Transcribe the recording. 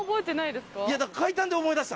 いや。